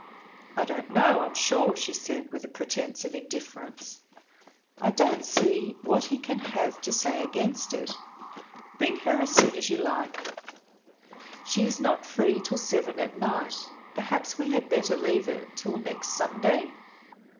"I don't know, I'm sure," she said, with a pretence of indifference. "I don't see what he can have to say against it. Bring her as soon as you like." "She is not free till seven at night. Perhaps we had better leave it till next Sunday?"